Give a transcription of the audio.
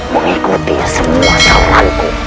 mengikuti semua saranku